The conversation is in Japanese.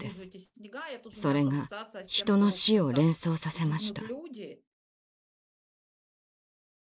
それが人の死を連想させました。